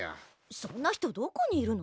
そんな人どこにいるの？